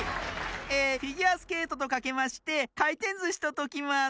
えフィギュアスケートとかけましてかいてんずしとときます。